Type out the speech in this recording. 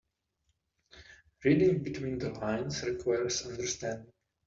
Reading between the lines requires understanding.